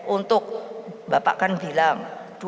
untuk bapak kan bilang dua ribu empat puluh lima